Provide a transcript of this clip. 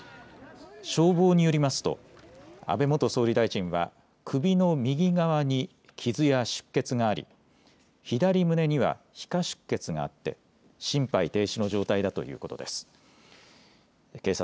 消防によりますと安倍元総理大臣は首の右側に傷や出血があり左胸には皮下出血があって心肺停止の状態だということです。